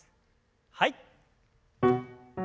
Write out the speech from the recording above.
はい。